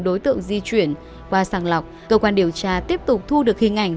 đối tượng di chuyển qua sàng lọc cơ quan điều tra tiếp tục thu được hình ảnh